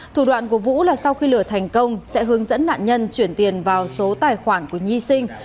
thủ đoạn của vũ là sau khi lửa thành công sẽ hướng dẫn nạn nhân chuyển tiền vào số tài khoản của nhi sinh